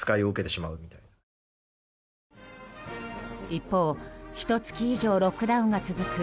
一方、ひと月以上ロックダウンが続く